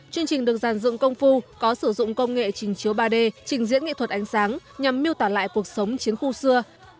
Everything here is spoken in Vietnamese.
chương trình được giàn dựng công phu có sử dụng công nghệ trình chiếu ba d trình diễn nghệ thuật ánh sáng nhằm miêu tả lại cuộc sống chiến khu xưa